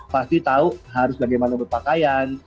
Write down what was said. pasti tahu harus bagaimana berpakaian